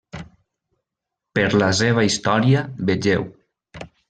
Per la seva història vegeu: